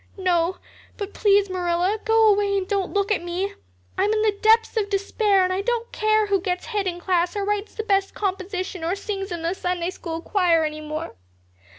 "No. But please, Marilla, go away and don't look at me. I'm in the depths of despair and I don't care who gets head in class or writes the best composition or sings in the Sunday school choir any more.